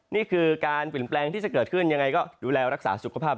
นี่คือการเปลี่ยนแปลงที่จะเกิดขึ้นยังไงก็ดูแลรักษาสุขภาพ